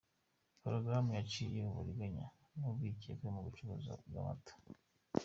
Porogaramu yaciye uburiganya n’urwikekwe mu bucuruzi bw’amata.